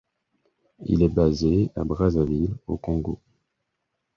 Il est basé à Brazzaville au Congo.